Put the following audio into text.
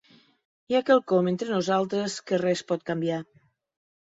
Hi ha quelcom entre nosaltres que res pot canviar.